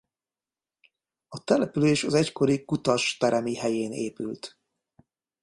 A település az egykori Kutas-Teremi helyén épült.